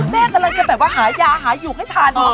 แม่กำลังจะหายาหายลูกให้ทาน